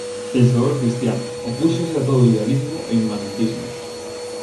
Pensador cristián, opúxose a todo idealismo e inmanentismo.